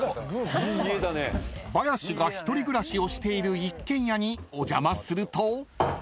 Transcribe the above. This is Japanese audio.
［バヤシが１人暮らしをしている一軒家にお邪魔すると］